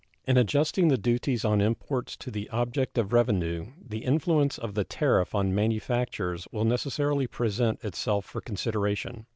In adjusting the duties on imports to the object of revenue the influence of the tariff on manufactures will necessarily present itself for consideration.